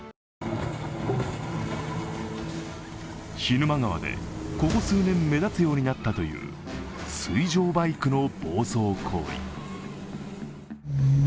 涸沼川でここ数年目立つようになったという水上バイクの暴走行為。